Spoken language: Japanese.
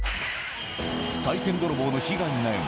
さい銭泥棒の被害に悩む